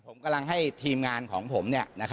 ผมกำลังให้ทีมงานของผม